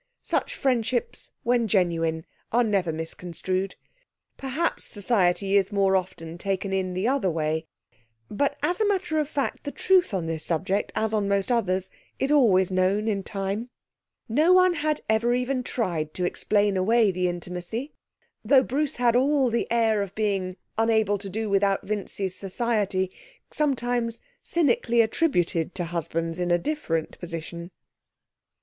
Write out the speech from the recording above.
Such friendships, when genuine, are never misconstrued. Perhaps society is more often taken in the other way. But as a matter of fact the truth on this subject, as on most others, is always known in time. No one had ever even tried to explain away the intimacy, though Bruce had all the air of being unable to do without Vincy's society sometimes cynically attributed to husbands in a different position.